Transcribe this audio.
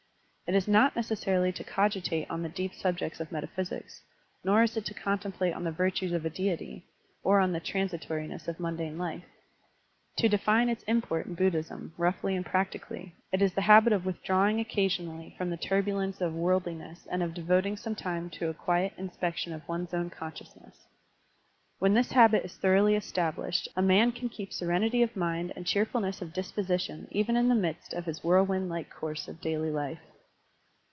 It is not necessarily to cogitate on the deep subjects of metaphysics, nor is it to contemplate on the virtues of a deity, or on the transitoriness of mtmdane life. To define its import in Buddhism, roughly and practically, it is the habit of with Digitized by Google i5<^ SERMONS Of a buddmist abbot drawing occasionally from the turbulence of worldliness and of devoting some time to a quiet inspection of one's own consciousness. Whea this habit is thoroughly established, a man can keep serenity of mind and cheerfulness of dispo sition even in the midst of his whirlwind Uke course of daily life.